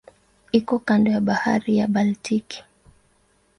Iko kando ya Bahari ya Baltiki.